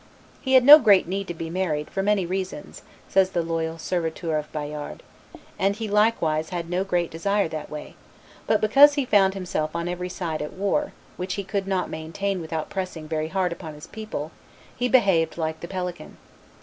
"He had no great need to be married, for many reasons," says the Loyal Serviteur of Bayard, "and he likewise had no great desire that way; but, because he found himself on every side at war, which he could not maintain without pressing very hard upon his people, he behaved like the pelican.